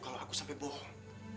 kalau aku sampai bohong